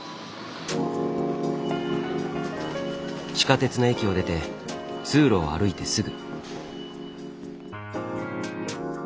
地下鉄の駅を出て通路を歩いてすぐ。